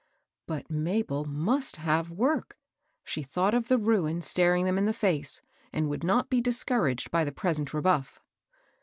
'* But Mabel mvxt have work I She thought of the rum staring them m the face, and would not be discouraged by the present rebuff.